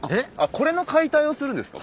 これの解体をするんですか？